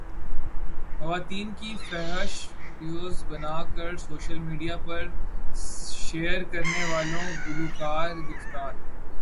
خواتین کی فحش ویڈیوز بناکر سوشل میڈیا پرشیئر کرنے والا گلوکار گرفتار